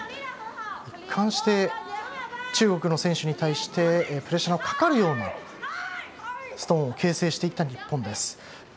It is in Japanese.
一貫して中国の選手に対しプレッシャーのかかるようなストーンを形成していった日本。